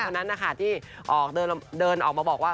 คนนั้นนะคะที่เดินออกมาบอกว่า